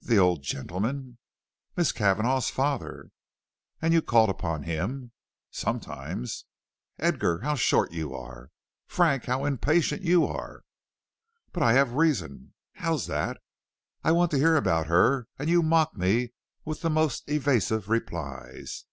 "The old gentleman?" "Miss Cavanagh's father." "And you called upon him?" "Sometimes." "Edgar, how short you are." "Frank, how impatient you are." "But I have reason." "How's that?" "I want to hear about her, and you mock me with the most evasive replies."